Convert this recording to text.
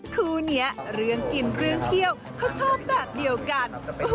คู่นี้เรื่องกินเรื่องเที่ยวเขาชอบแบบเดียวกัน